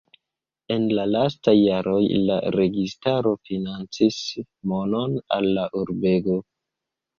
En la lastaj jaroj la registaro financis monon al la urbego.